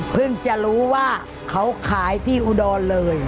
จะรู้ว่าเขาขายที่อุดรเลย